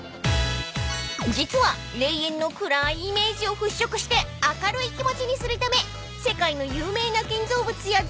［実は霊園の暗いイメージを払拭して明るい気持ちにするため世界の有名な建造物や像を配置］